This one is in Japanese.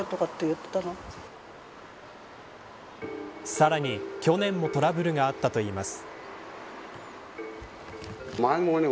さらに去年もトラブルがあったといいます。